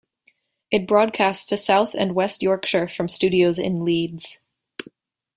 It broadcasts to South and West Yorkshire from studios in Leeds.